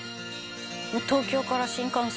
「東京から新幹線で」